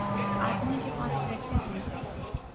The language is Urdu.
آدمی کے پاس پیسے ہوں۔